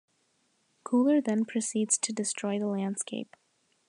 Cooler then proceeds to destroy the landscape.